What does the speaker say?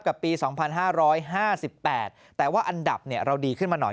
กับปีสองพันห้าร้อยห้าสิบแปดแต่ว่าอันดับเนี้ยเราดีขึ้นมาหน่อย